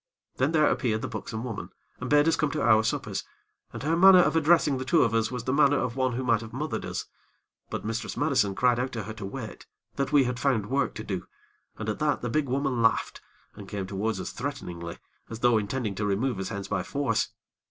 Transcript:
Then there appeared the buxom woman, and bade us come to our suppers, and her manner of addressing the two of us was the manner of one who might have mothered us; but Mistress Madison cried out to her to wait, that we had found work to do, and at that the big woman laughed, and came towards us threateningly, as though intending to remove us hence by force.